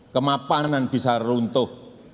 kemapanan bisa runtuh